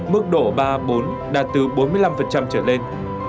mức độ ba bốn đạt từ bốn mươi năm trở lên